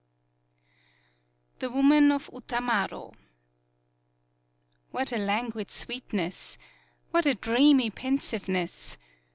THE WOMAN OF UTAMARO TT7HAT a languid sweetness! What a dreamy pensiveness!